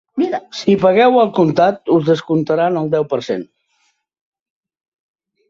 Si pagueu al comptat, us descomptarem el deu per cent.